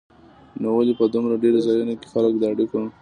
نو ولې په دومره ډېرو ځایونو کې خلک د اړیکو